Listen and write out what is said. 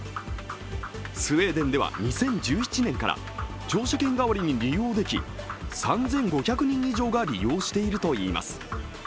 スウェーデンでは２０１１年から乗車券代わりに利用でき３５００人以上が利用しているといいます。